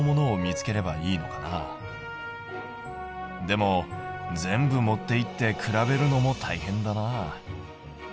でも全部持っていって比べるのもたいへんだな。